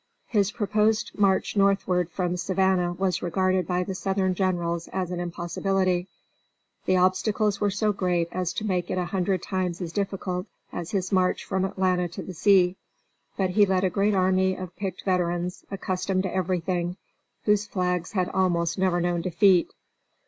His proposed march northward from Savannah was regarded by the Southern generals as an impossibility. The obstacles were so great as to make it a hundred times as difficult as his march from Atlanta to the sea. But he led a great army of picked veterans, accustomed to everything, whose flags had almost never known defeat.